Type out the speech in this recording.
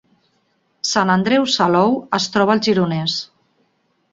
Sant Andreu Salou es troba al Gironès